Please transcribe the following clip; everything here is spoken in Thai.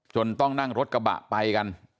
ต้องนั่งรถกระบะไปกัน